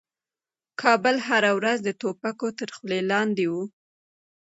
کابل هره ورځ د توپکو تر خولې لاندې و.